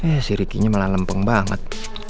ya si rikinya malah lempeng banget